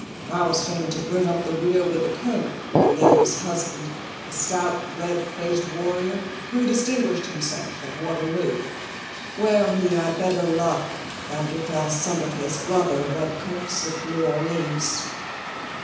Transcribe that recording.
I was fain to bring up the rear with the Colonel, the lady's husband, a stout red faced warrior who distinguished himself at Waterloo, where he had better luck than befell some of his brother redcoats at New Orleans."